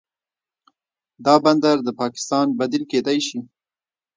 دا بندر د پاکستان بدیل کیدی شي.